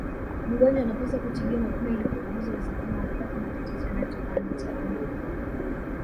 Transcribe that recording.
Mgonjwa anapaswa kutibiwa mapema ili kupunguza uwezekano wa kupata matatizo yanayotokana na taunii